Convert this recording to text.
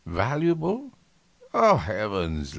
"Valuable? Heavens!